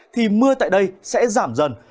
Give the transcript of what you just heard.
thì mưa tại đây sẽ giảm dần